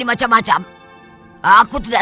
macam macam aku tidak